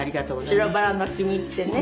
「白バラの君」ってね。